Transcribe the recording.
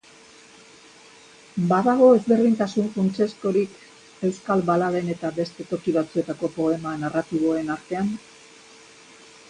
Badago ezberdintasun funtsezkorik euskal baladen eta beste toki batzuetako poema narratiboen artean?